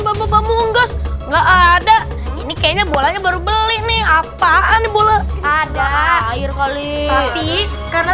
bamba pamunggas enggak ada ini kayaknya bolanya baru beli nih apaan boleh ada air kali tapi karena